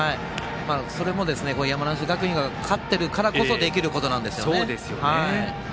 それも山梨学院が勝ってるからこそできることなんですよね。